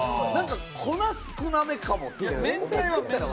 粉少なめかもって。